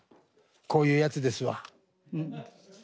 こういうやつですわ。